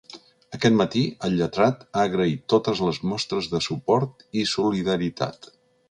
Aquest matí, el lletrat ha agraït totes les mostres de suport i solidaritat.